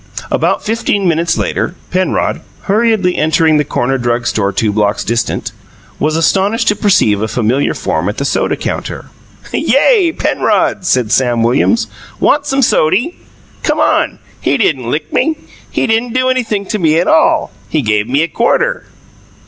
About fifteen minutes later, Penrod, hurriedly entering the corner drug store, two blocks distant, was astonished to perceive a familiar form at the soda counter. "Yay, Penrod," said Sam Williams. "Want some sody? Come on. He didn't lick me. He didn't do anything to me at all. He gave me a quarter."